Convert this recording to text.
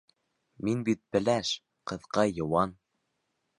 Мин бит пеләш, ҡыҫҡа, йыуан...